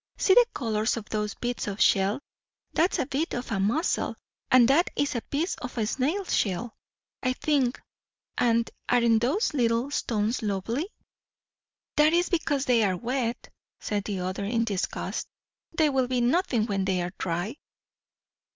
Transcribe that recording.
"See the colours of those bits of shell that's a bit of a mussel; and that is a piece of a snail shell, I think; and aren't those little stones lovely?" "That is because they are wet!" said the other in disgust. "They will be nothing when they are dry."